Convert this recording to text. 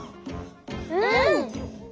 うん！